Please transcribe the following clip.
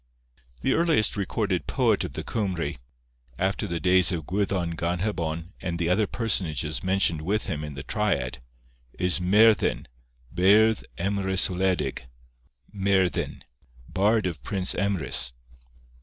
The earliest recorded poet of the Cymry, after the days of Gwyddon Ganhebon and the other personages mentioned with him in the triad, is Merddin, Beirdd Emrys Wledig, or Merddin, Bard of Prince Emrys.